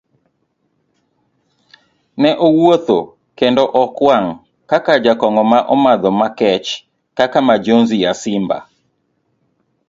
Ne owuotho kendo okwang' ka jakong'o ma omadho makech kaka Majonzi ya simba.